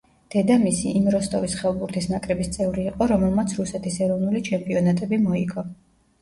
დედამისი იმ როსტოვის ხელბურთის ნაკრების წევრი იყო, რომელმაც რუსეთის ეროვნული ჩემპიონატები მოიგო.